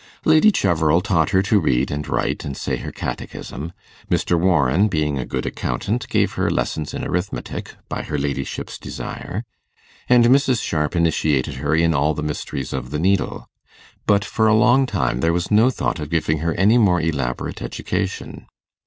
Lady Cheverel taught her to read and write, and say her catechism; Mr. Warren, being a good accountant, gave her lessons in arithmetic, by her ladyship's desire; and Mrs. Sharp initiated her in all the mysteries of the needle. But, for a long time, there was no thought of giving her any more elaborate education.